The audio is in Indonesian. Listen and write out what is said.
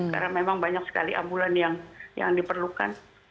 karena memang banyak sekali ambulan yang diperlukan